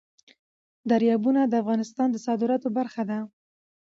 دریابونه د افغانستان د صادراتو برخه ده.